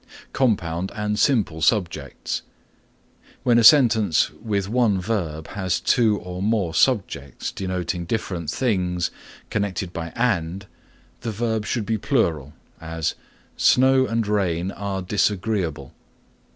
(3) When a sentence with one verb has two or more subjects denoting different things, connected by and, the verb should be plural; as, "Snow and rain are disagreeable."